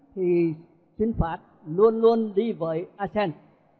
thì xin phạt luôn luôn đi với aten